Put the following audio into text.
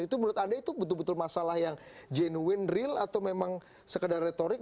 itu menurut anda itu masalah yang benar benar jenuin real atau memang sekadar retorik